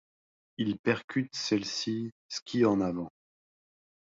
Il percute celle-ci skis en avant.